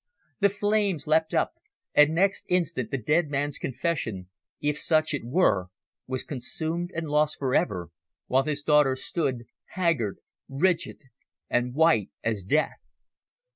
The flames leapt up, and next instant the dead man's confession if such it were was consumed and lost for ever, while his daughter stood, haggard, rigid and white as death.